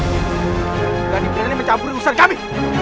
berani berani mencampurkan usaha kami